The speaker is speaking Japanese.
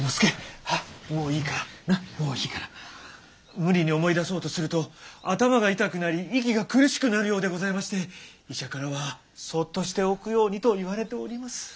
無理に思い出そうとすると頭が痛くなり息が苦しくなるようでございまして医者からはそっとしておくようにと言われております。